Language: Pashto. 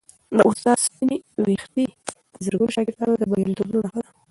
د استاد سپینې ویښتې د زرګونو شاګردانو د بریالیتوبونو نښه ده.